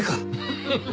フフフフ。